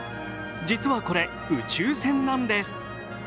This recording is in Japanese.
実はこれ、宇宙船なんです。